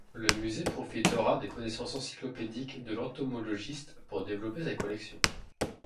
Le musée profitera des connaissances encyclopédiques de l'entomologiste pour développer ses collections.